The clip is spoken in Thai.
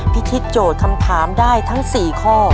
พิธีโจทย์คำถามได้ทั้ง๔ข้อ